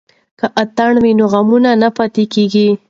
که اتڼ وي نو عنعنه نه پاتې کیږي.